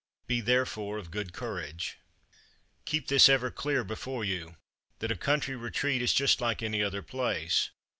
Be therefore of good courage. 23. Keep this ever clear before you: that a country retreat is just like any other place.